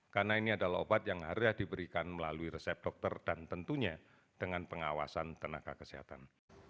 karena ini adalah obat yang harian diberikan melalui resep dokter dan tentunya dengan pengawasan tenaga kesehatan